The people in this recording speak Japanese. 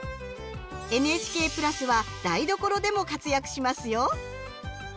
ＮＨＫ＋は台所でも活躍しますよ。